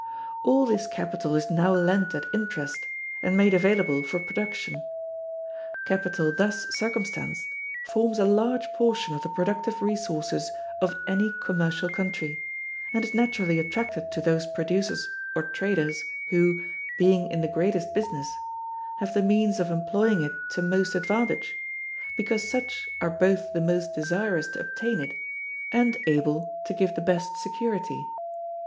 All this capital is now lent at interest, and made available for production. Capital thus circumstanced forms a large portion of the productive resources of any commercial country, and is naturally attracted to those producers or traders who, being in the greatest business, have the means of employing it to most advantage, because such are both the most desirous to obtain it and able to give the best security.